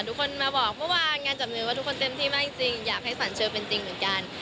ทุกคนมาบอกเมื่อวานงานจับมือว่าทุกคนเต็มที่มากจริงอยากให้สรรเชอร์เป็นจริงเหมือนกัน